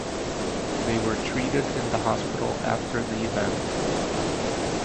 They were treated in the hospital after the event.